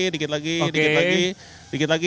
dikit lagi sedikit lagi